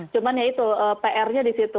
cuman ya itu pr nya disitu